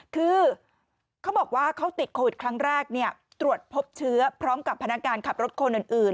คือเขาบอกว่าเขาติดโควิดครั้งแรกตรวจพบเชื้อพร้อมกับพนักการขับรถคนอื่น